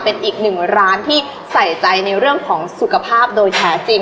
เป็นอีกหนึ่งร้านที่ใส่ใจในเรื่องของสุขภาพโดยแท้จริง